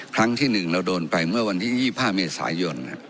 ครั้งที่๑เราโดนไปเมื่อวันที่๒๕เมษายน